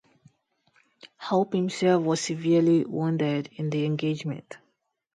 Hope himself was severely wounded in the engagement.